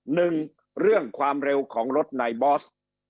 หนึ่งเรื่องความเร็วของรถนายบอส